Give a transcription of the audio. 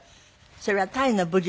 それはタイの武術？